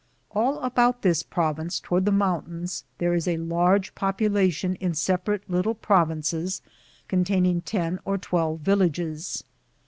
All about this province toward the mountains there is a large popu lation in separate little provinces containing ten or twelve villages.